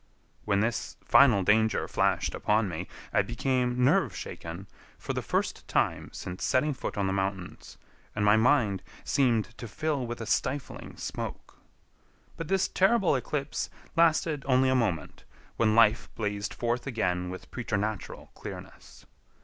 When this final danger flashed upon me, I became nerve shaken for the first time since setting foot on the mountains, and my mind seemed to fill with a stifling smoke. But this terrible eclipse lasted only a moment, when life blazed forth again with preternatural clearness.